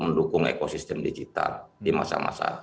mendukung ekosistem digital di masa masa